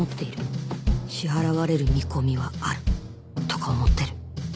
「支払われる見込みはある」とか思ってる